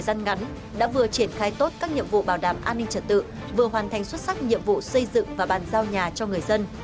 các nhiệm vụ bảo đảm an ninh trật tự vừa hoàn thành xuất sắc nhiệm vụ xây dựng và bàn giao nhà cho người dân